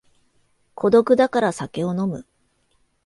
孤独だから酒を飲む